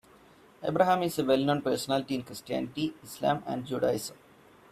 Abraham is a well known person in Christianity, Islam and Judaism.